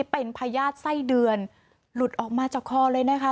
เป็นพญาติไส้เดือนหลุดออกมาจากคอเลยนะคะ